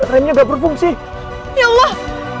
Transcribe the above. remnya berfungsi ya allah